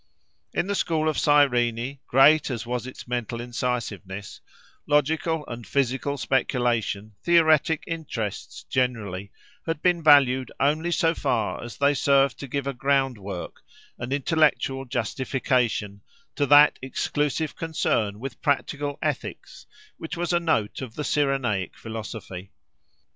In the school of Cyrene, great as was its mental incisiveness, logical and physical speculation, theoretic interests generally, had been valued only so far as they served to give a groundwork, an intellectual justification, to that exclusive concern with practical ethics which was a note of the Cyrenaic philosophy.